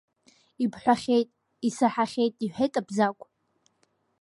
Ибҳәахьеит, исаҳахьеит, – иҳәеит Абзагә.